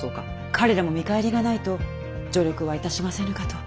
彼らも見返りがないと助力はいたしませぬかと。